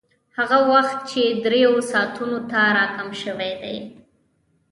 هغه وخت اوس درېیو ساعتونو ته راکم شوی دی